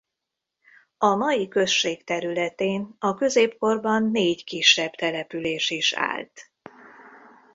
A mai község területén a középkorban négy kisebb település is állt.